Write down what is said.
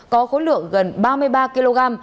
có khối lượng gần ba mươi ba kg